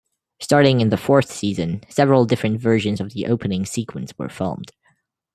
Starting in the fourth season, several different versions of the opening sequence were filmed.